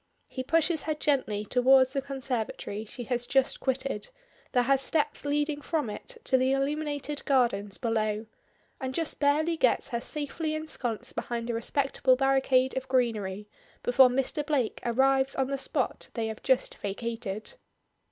He pushes her gently towards the conservatory she has just quitted, that has steps leading from it to the illuminated gardens below, and just barely gets her safely ensconced behind a respectable barricade of greenery before Mr. Blake arrives on the spot they have just vacated.